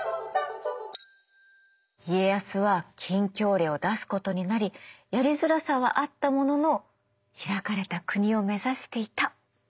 家康は禁教令を出すことになりやりづらさはあったものの開かれた国を目指していた。